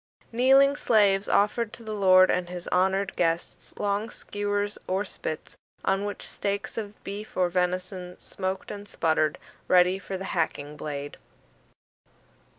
Kneeling slaves offered to the lord and his honoured guests long skewers or spits, on which steaks of beef or venison smoked and sputtered, ready for the hacking blade.